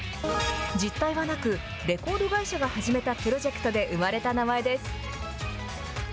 実体はなく、レコード会社が始めたプロジェクトで生まれた名前です。